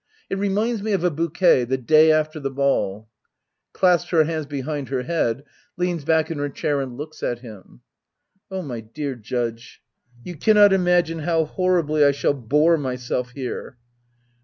It reminds me of a bouquet — ^the day after the balL [Ckups her hands behind her head, leans back in her chair and looks at iim,] Oh, my dear Judge — ^you cannot imagine how horribly I shall bore myself here.